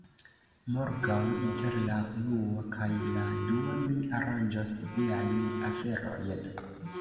Morgaŭ, inter la unua kaj la dua, mi aranĝos viajn aferojn.